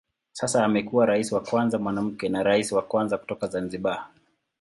Sasa amekuwa rais wa kwanza mwanamke na rais wa kwanza kutoka Zanzibar.